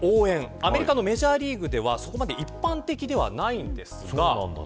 アメリカのメジャーリーグではそこまで一般的ではないんです。